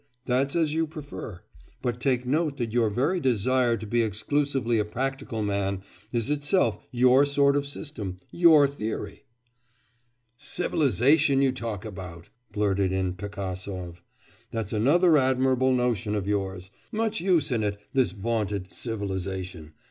That's as you prefer. But take note that your very desire to be exclusively a practical man is itself your sort of system your theory.' 'Civilisation you talk about!' blurted in Pigasov; 'that's another admirable notion of yours! Much use in it, this vaunted civilisation!